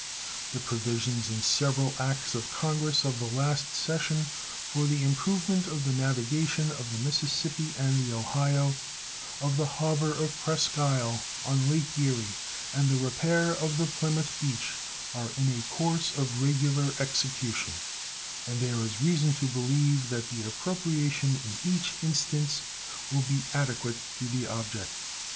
The provisions in several acts of Congress of the last session for the improvement of the navigation of the Mississippi and the Ohio, of the harbor of Presqu'isle, on Lake Erie, and the repair of the Plymouth beach are in a course of regular execution; and there is reason to believe that the appropriation in each instance will be adequate to the object.